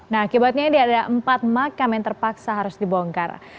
nah akibatnya ini ada empat makam yang terpaksa harus dibongkar